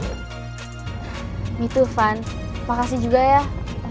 me too fun makasih juga ya lo udah mudah banget ya ya udah berjalan sesuai kemauan gue ya